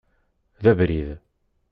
D abrid.